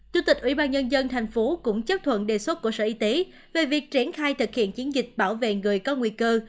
chủ tịch ubnd tp cũng chấp thuận đề xuất của sở y tế về việc triển khai thực hiện chiến dịch bảo vệ người có nguy cơ